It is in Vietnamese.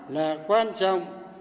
là quan trọng